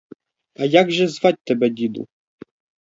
А як же звать тебе, діду?